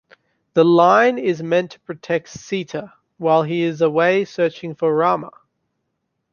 The line is meant to protect Sita, while he is away searching for Rama.